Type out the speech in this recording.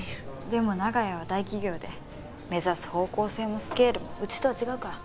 でも長屋は大企業で目指す方向性もスケールもうちとは違うから。